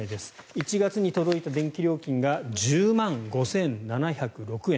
１月に届いた電気料金が１０万５７０６円。